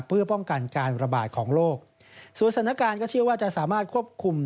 เพื่อป้องกันการระบาดของโลกส่วนสถานการณ์ก็เชื่อว่าจะสามารถควบคุม